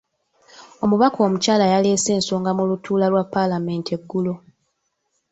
Omubaka omukyala yaleese ensonga mu lutuula lwa paalamenti eggulo.